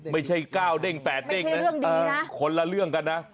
ไม่ใช่๙เด้ง๘เด้งนะคนละเรื่องกันนะ